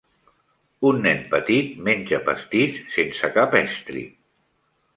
Un nen petit menja pastís sense cap estri.